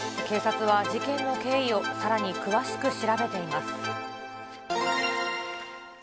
警察は、事件の経緯をさらに詳しく調べています。